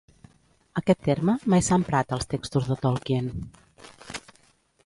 Aquest terme mai s'ha emprat als textos de Tolkien.